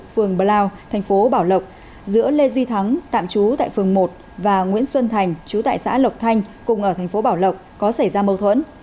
phường blau thành phố bảo lộc giữa lê duy thắng tạm trú tại phường một và nguyễn xuân thành chú tại xã lộc thanh cùng ở thành phố bảo lộc có xảy ra mâu thuẫn